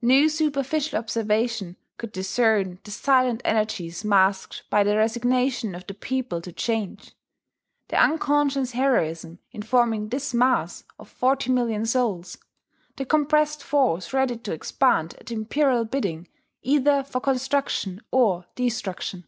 No superficial observation could discern the silent energies masked by the resignation of the people to change, the unconscious heroism informing this mass of forty million souls, the compressed force ready to expand at Imperial bidding either for construction or destruction.